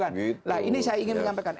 nah ini saya ingin menyampaikan